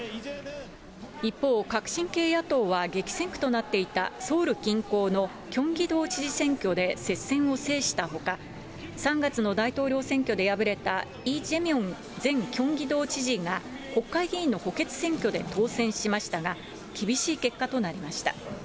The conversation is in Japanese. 一方、革新系野党は、激戦区となっていたソウル近郊のキョンギ道知事選挙で接戦を制したほか、３月の大統領選挙で敗れたイ・ジェミョン前キョンギ道知事が国会議員の補欠選挙で当選しましたが、厳しい結果となりました。